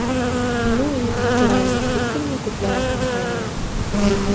Ну і, натуральна, квіткі мне купляе кампанія.